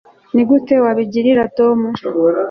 nigute wabigirira tom